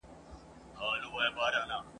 افغان اولسه ژوند دي پېغور دی ,